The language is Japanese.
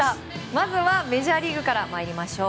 まずはメジャーリーグから参りましょう。